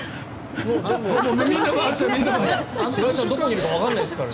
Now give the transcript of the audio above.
白井さん、どこにいるかわからないですもんね。